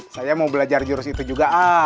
saya mau belajar jurus itu juga ah